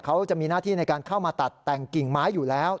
เขาจะมีหน้าที่ในการเข้ามาตัดแต่งกิ่งไม้อยู่แล้ว